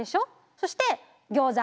そしてギョーザ。